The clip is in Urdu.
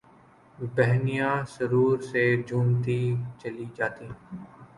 ہہنیاں سرور سے جھومتی چلی جاتیں